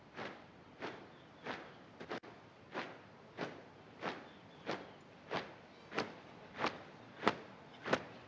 laporan komandan upacara kepada inspektur upacara